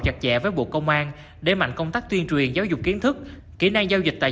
chặt chẽ với bộ công an để mạnh công tác tuyên truyền giáo dục kiến thức kỹ năng giao dịch tài